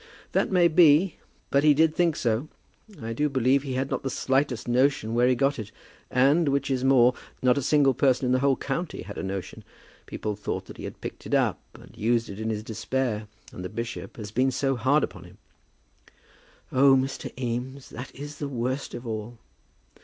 "That may be, but he did think so. I do believe that he had not the slightest notion where he got it; and, which is more, not a single person in the whole county had a notion. People thought that he had picked it up, and used it in his despair. And the bishop has been so hard upon him." "Oh, Mr. Eames, that is the worst of all."